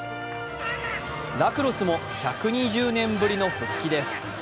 ラクロスも１２０年ぶりの復帰です。